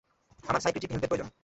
আমার সাইকিয়াট্রিক হেল্পের প্রয়োজন।